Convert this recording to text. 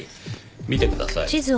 見てください。